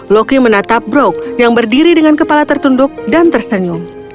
loki menatap broke yang berdiri dengan kepala tertunduk dan tersenyum